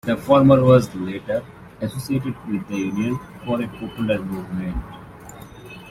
The former was later associated with the Union for a Popular Movement.